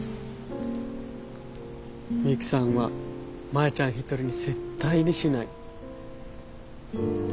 ミユキさんはマヤちゃん一人に絶対にしない。